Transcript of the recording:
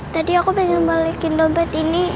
tadi aku pengen balikin dompet ini